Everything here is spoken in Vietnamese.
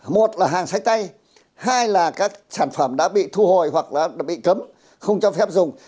một là hàng sách tay hai là các sản phẩm đã bị thu hồi hoặc là bị cấm không cho phép dùng